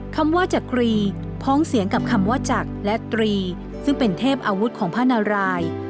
คำว่าจักรีพ้องเสียงกับคำว่าจักรและตรีซึ่งเป็นเทพอาวุธของพระนาราย